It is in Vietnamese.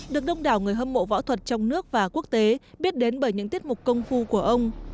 được đông đảo người hâm mộ võ thuật trong nước và quốc tế biết đến bởi những tiết mục công phu của ông